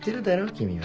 君は。